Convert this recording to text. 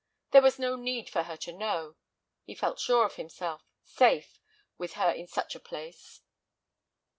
There was no need for her to know; he felt sure of himself, safe with her in such a place.